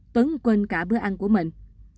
tuấn quên cả bữa ăn của mình